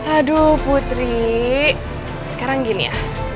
aduh putri sekarang gini ya